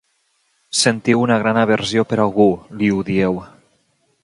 Sentiu una gran aversió per algú li ho dieu.